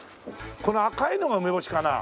この赤いのが梅干しかな？